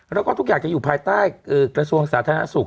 แล้วก็ทุกอย่างจะอยู่ภายใต้กระทรวงสาธารณสุข